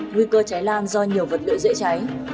nguy cơ cháy lan do nhiều vật liệu dễ cháy